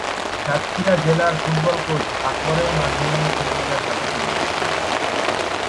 সাতক্ষীরা জেলা football coach আকবরের মাধ্যমেই ফুটবলের হাতেখড়ি।